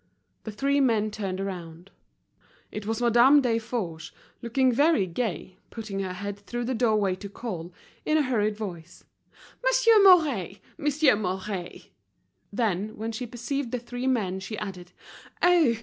The three men turned round. It was Madame Desforges, looking very gay, putting her head through the doorway to call, in a hurried voice— "Monsieur Mouret! Monsieur Mouret!" Then, when she perceived the three men, she added, "Oh!